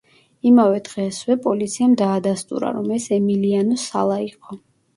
იმავე დღესვე პოლიციამ დაადასტურა, რომ ეს ემილიანო სალა იყო.